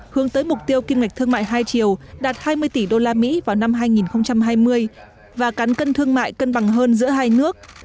hướng tới mục tiêu kim ngạch thương mại hai triệu đạt hai mươi tỷ usd vào năm hai nghìn hai mươi và cán cân thương mại cân bằng hơn giữa hai nước